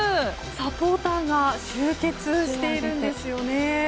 サポーターが集結しているんです。